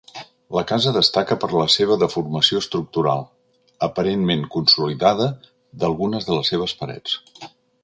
La casa destaca per la seva deformació estructural, aparentment consolidada, d'algunes de les seves parets.